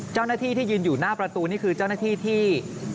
เจ้าหน้าที่ที่ยืนอยู่หน้าประตูนี่คือเจ้าหน้าที่ที่